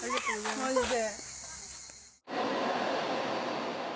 マジで。